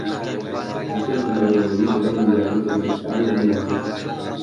Hasil pencarian ini sedang menjalani pemeriksaan lebih lanjut.